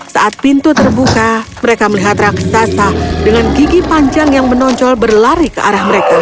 saat pintu terbuka mereka melihat raksasa dengan gigi panjang yang menonjol berlari ke arah mereka